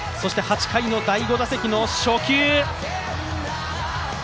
８回の第５打席の初球。